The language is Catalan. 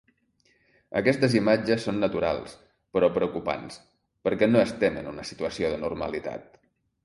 Aquestes imatges són naturals, però preocupants, perquè no estem en una situació de normalitat.